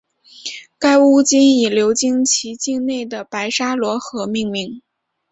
该巫金以流经其境内的白沙罗河命名。